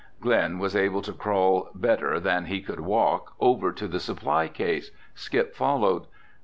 Glen was able to crawl better than he could walk over to the supply case. Skip followed.